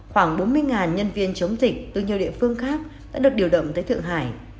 khoảng bốn mươi nhân viên chống dịch từ nhiều địa phương khác đã được điều động tới thượng hải